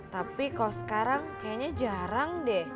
tapi kok sekarang kayaknya jarang deh